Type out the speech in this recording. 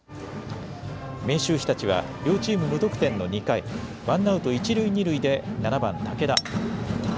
明秀日立は両チーム無得点の２回、ワンアウト一塁二塁で７番・武田。